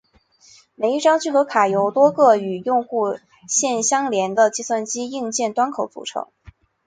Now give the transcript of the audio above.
每一张聚合卡由多个与用户线相连的计算机硬件端口组成。